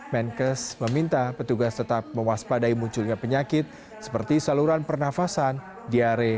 menkes meminta petugas tetap mewaspadai munculnya penyakit seperti saluran pernafasan diare